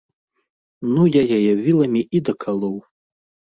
Ну, я яе віламі і дакалоў.